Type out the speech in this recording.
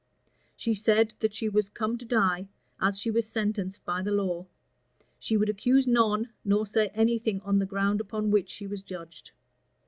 She said that she was come to die, as she was sentenced, by the law: she would accuse none, nor say any thing of the ground upon which she was judged.